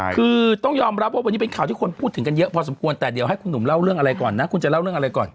คือต้องยอมรับว่าวันนี้เป็นข่าวที่คนพูดถึงกันเยอะพอสมควรแต่เดี๋ยวให้คุณหนุ่มเล่าเรื่องอะไรก่อนนะคุณจะเล่าเรื่องอะไรก่อน